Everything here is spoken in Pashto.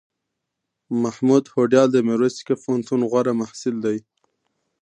محمود هوډیال دمیرویس نیکه پوهنتون غوره محصل دی